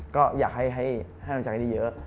ก็อยากให้ดังจากนี้เยอะ